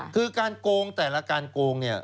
คือการโกงแต่ละการโกงเนี่ย